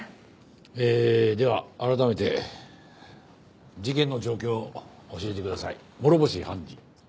えーでは改めて事件の状況を教えてください諸星判事。